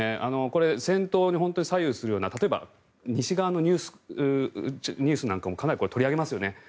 これ、戦闘を左右するような例えば、西側のニュースなんかもかなり取り上げますよね。